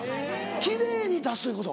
奇麗に出すということ？